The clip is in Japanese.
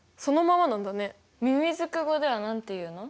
みみずく語では何て言うの？